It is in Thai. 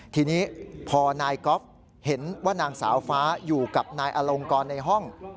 ทีนี้พอนายก๊อฟเห็นว่านางสาวฟ้าอยู่กับนายอลงกรในห้อง